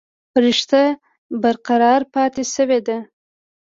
رشته برقرار پاتې شوې ده